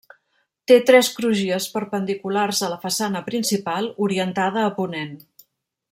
Té tres crugies perpendiculars a la façana principal, orientada a ponent.